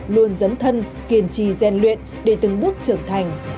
luôn dấn thân kiên trì gian luyện để từng bước trưởng thành